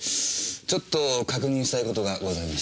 ちょっと確認したい事がございまして。